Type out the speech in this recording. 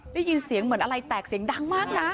ได้ยินเสียงเหมือนอะไรแตกเสียงดังมากนะ